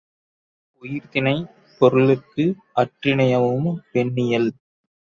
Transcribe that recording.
உயர்திணைப் பொருளுக்கு அஃறிணையுவமம் பெண்ணியல்